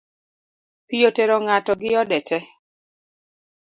Pi otero ng’ato gi ode tee